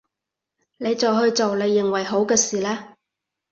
你就去做你認為係好嘅事啦